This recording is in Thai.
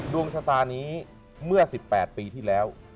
ดวงชะตานี้เมื่อ๑๘ปีที่แล้ว